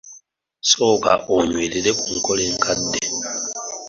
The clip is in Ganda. Sooka onywerere ku nkola enkadde.